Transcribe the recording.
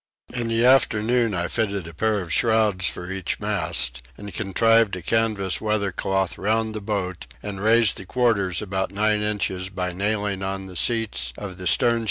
In the afternoon I fitted a pair of shrouds for each mast, and contrived a canvas weather cloth round the boat, and raised the quarters about nine inches by nailing on the seats of the stern sheets, which proved of great benefit to us.